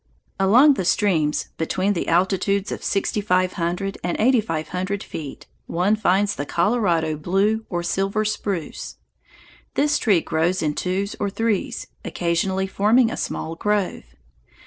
Along the streams, between the altitudes of sixty five hundred and eighty five hundred feet, one finds the Colorado blue or silver spruce. This tree grows in twos or threes, occasionally forming a small grove.